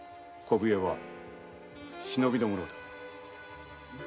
小笛は「忍びの者」だ。